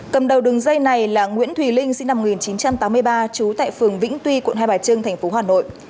cầm đầu đường dây này là nguyễn thùy linh sinh năm một nghìn chín trăm tám mươi ba trú tại phường vĩnh tuy quận hai bà trưng tp hà nội